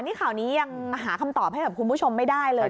นี่ข่าวนี้ยังหาคำตอบให้กับคุณผู้ชมไม่ได้เลย